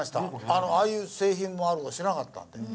ああいう製品もあるのを知らなかったんで。